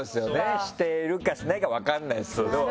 してるかしてないか分かんないですけど。